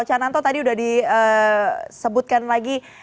cananto tadi sudah disebutkan lagi